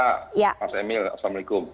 selamat mas emil assalamualaikum